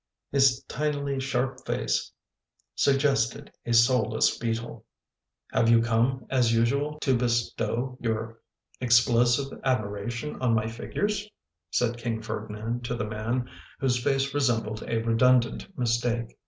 His tinily sharp face sug gested a soulless beetle. " Have you come, as usual, to bestow your explosive [9i] admiration on my figures? " said King Ferdinand to the man whose face resembled a redundant mistake.